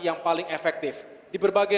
yang paling efektif di berbagai